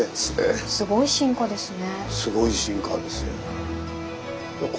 すごい進化ですね。